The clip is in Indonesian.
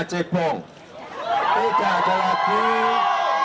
tidak ada lagi yang namanya cepung